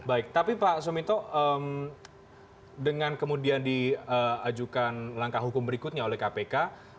baik tapi pak suminto dengan kemudian diajukan langkah hukum berikutnya oleh kpk